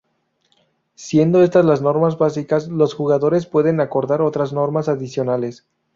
Siendo estas las normas básicas, los jugadores pueden acordar otras normas adicionales.